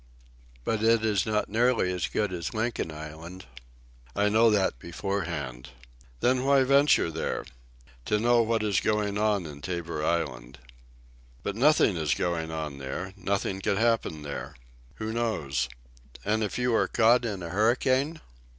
"But it is not nearly as good as Lincoln Island." "I know that beforehand." "Then why venture there?" "To know what is going on in Tabor Island." "But nothing is going on there; nothing could happen there." "Who knows?" "And if you are caught in a hurricane?"